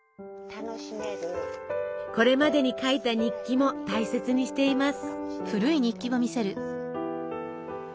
これまでに書いた日記も大切にしています。